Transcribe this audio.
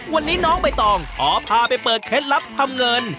วันนี้น้องใบตองขอพาไปเปิดเคล็ดลับทำเงิน